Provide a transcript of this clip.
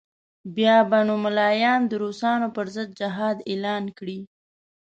بیا به نو ملایان د روسانو پر ضد جهاد اعلان کړي.